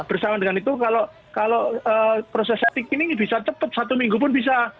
bersama dengan itu kalau proses etik ini bisa cepat satu minggu pun bisa